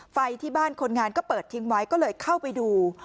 ไฟที่บ้านคนงานก็เปิดทิ้งไว้ก็เลยเข้าไปดู